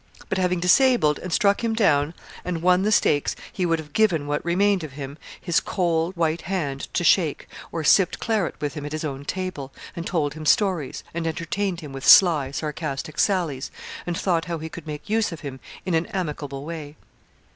But, having disabled, and struck him down, and won the stakes, he would have given what remained of him his cold, white hand to shake, or sipped claret with him at his own table, and told him stories, and entertained him with sly, sarcastic sallies, and thought how he could make use of him in an amicable way.